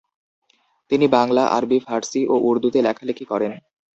তিনি বাংলা, আরবি, ফার্সি ও উর্দুতে লেখালেখি করেন।